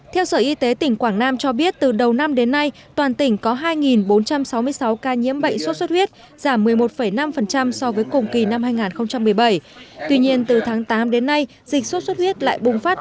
theo sở y tế tỉnh quảng nam cho biết từ đầu năm đến nay toàn tỉnh có hai bốn trăm sáu mươi sáu ca nhiễm bệnh sốt xuất huyết lại bùng phát